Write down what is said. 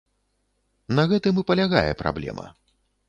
На гэтым і палягае праблема.